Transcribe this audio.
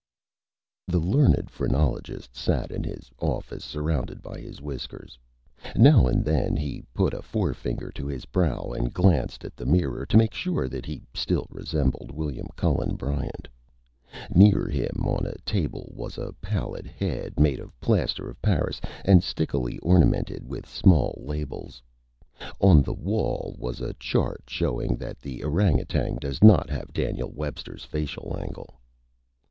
The Learned Phrenologist sat in his Office surrounded by his Whiskers. Now and then he put a Forefinger to his Brow and glanced at the Mirror to make sure that he still resembled William Cullen Bryant. Near him, on a Table, was a Pallid Head made of Plaster of Paris and stickily ornamented with small Labels. On the wall was a Chart showing that the Orangoutang does not have Daniel Webster's facial angle.